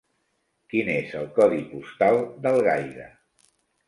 Quin és el codi postal d'Algaida?